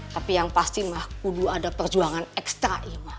tapi yang pasti mah kudu ada perjuangan ekstra